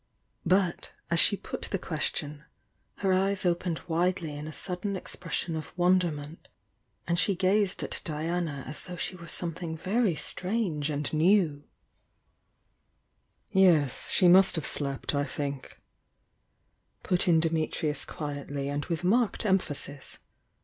But, as she put the question, her eyes opened widely in a sudden expression of wonderment, and she gazed at Diana as though she were something very strange and new. THE YOUNG DIANA 185 I "Yes, she must have slept, I think," put in Dimit rius quietly and with marked emphasis.